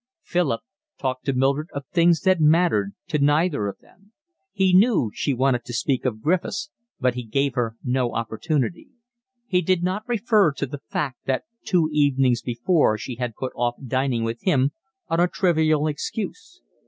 Philip talked to Mildred of things that mattered to neither of them. He knew she wanted to speak of Griffiths, but he gave her no opportunity. He did not refer to the fact that two evenings before she had put off dining with him on a trivial excuse.